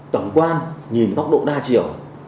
tầm quan nhìn tốc độ đa chiều